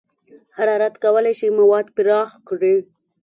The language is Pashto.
حرارت کولی شي مواد پراخ کړي.